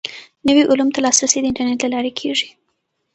نویو علومو ته لاسرسی د انټرنیټ له لارې کیږي.